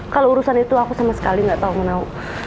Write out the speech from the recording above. kalau urusan itu aku sama sekali gak tau kenau